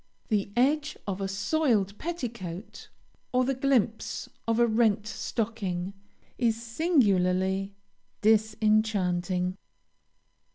The edge of a soiled petticoat, or the glimpse of a rent stocking is singularly disenchanting.